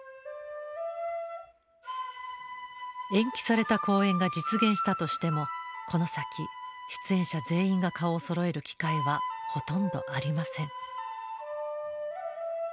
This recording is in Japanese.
延期された公演が実現したとしてもこの先出演者全員が顔をそろえる機会はほとんどありません。